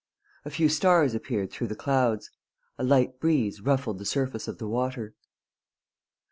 A few stars appeared through the clouds. A light breeze ruffled the surface of the water.